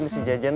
ya si jejen